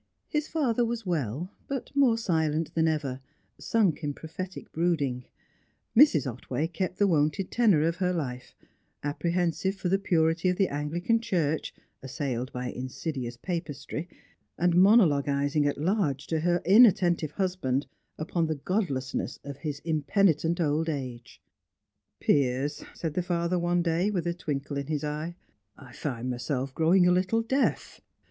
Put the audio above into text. His father was well, but more than ever silent, sunk in prophetic brooding; Mrs. Otway kept the wonted tenor of her life, apprehensive for the purity of the Anglican Church (assailed by insidious papistry), and monologising at large to her inattentive husband upon the godlessness of his impenitent old age. "Piers," said the father one day, with a twinkle in his eye, "I find myself growing a little deaf.